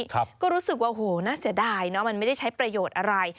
ก็รู้สึกว่าโหน่าเสียดายเนอะมันไม่ได้ใช้ประโยชน์อะไร